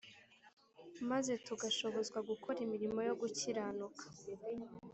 , maze tugashobozwa gukora imirimo yo gukiranuka